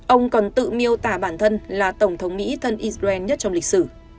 ông còn tự miêu tả bản thân là tổng thống mỹ thân israel nhất trong lịch sử